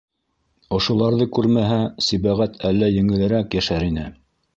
Ошоларҙы күрмәһә, Сибәғәт әллә еңелерәк йәшәр ине.